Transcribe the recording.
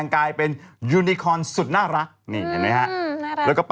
ค่ายโทรศัพท์